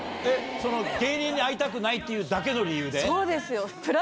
芸人に会いたくないっていうだけの理由で？